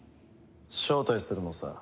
招待するのさ。